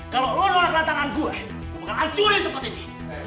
kalau lo luar rencanaan gue gue akan hancurin sempat ini